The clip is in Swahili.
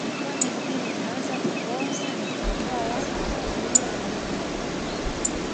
Mikoa mingine inaweza kuonya na kuwaokoa watu kuzuia uharibifu